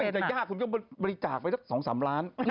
เนี่ยคุณก็บริจาคไว้สัก๓ล้าน